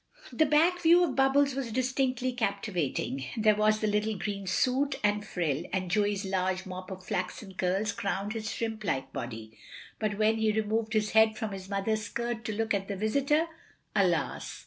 The back view of Bubbles was distinctly captivating; there was the little green suit and OF GROSVENOR SQUARE 167 frill, and Joey's large mop of flaxen curls crowned his shrimp like body. •'But when he removed his head from his mother's skirt to look at the visitor, alas!